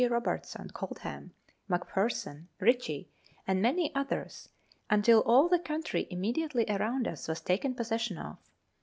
G. Robertson, Coldham, McPherson, Ritchie, and many others, until all the country imme diately around us was taken possession of.